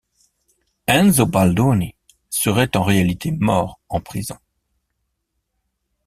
Enzo Baldoni serait en réalité mort en prison.